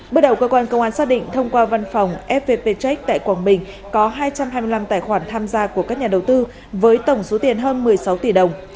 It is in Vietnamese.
bước đầu cơ quan công an xác định thông qua văn phòng fpt check tại quảng bình có hai trăm hai mươi năm tài khoản tham gia của các nhà đầu tư với tổng số tiền hơn một mươi sáu tỷ đồng